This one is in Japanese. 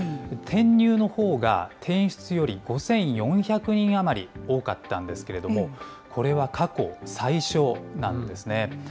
転入のほうが転出より５４００人余り多かったんですけれども、これは過去最少なんですね。